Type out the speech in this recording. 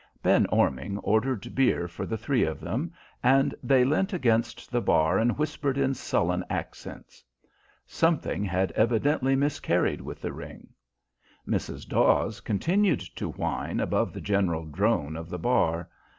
Ben Orming ordered beer for the three of them, and they leant against the bar and whispered in sullen accents. Something had evidently miscarried with the Ring. Mrs. Dawes continued to whine above the general drone of the bar.